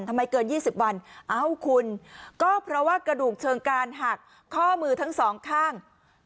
ทำไมเกิน๒๐วันเอ้าคุณก็เพราะว่ากระดูกเชิงการหักข้อมือทั้งสองข้าง